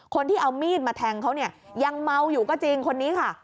คนที่เอามีดมาแทงเขาเนี่ยยังเมาอยู่ก็จริงคนนี้ค่ะ